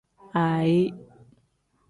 Aayi.